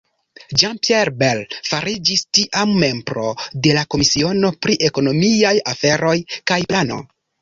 Jean-Pierre Bel fariĝis tiam membro de la komisiono pri ekonomiaj aferoj kaj plano.